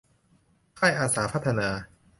ค่ายอาสาพัฒนา